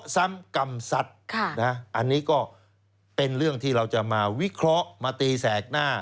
ซ้ำกรรมสัตว์อันนี้ก็เป็นเรื่องที่เราจะมาวิเคราะห์มาตีแสกหน้า